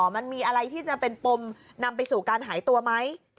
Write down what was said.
มันมีอะไรที่จะเป็นปมนำไปสู่การหายตัวไหม